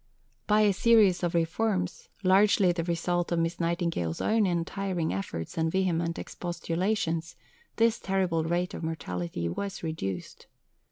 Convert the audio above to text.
By a series of reforms, largely the result of Miss Nightingale's own untiring efforts and vehement expostulations, this terrible rate of mortality was reduced.